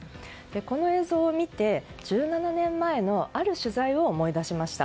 この映像を見て１７年前のある取材を思い出しました。